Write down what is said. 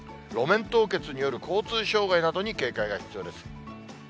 路面凍結による交通障害などに警戒が必要です。